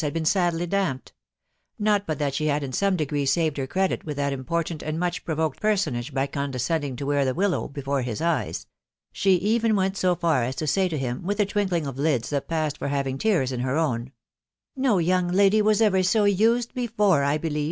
had been sadly damped ; not but that she had in some degree saved her credit with that important and much provoked personage by condescending to wear the willow before his eyes ; she even went so far as to say to him, with a twinkling of lids that passed for having tears in her own, —" No young lady was ever so used before, I believe ••